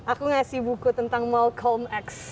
aku ngasih buku tentang malcome x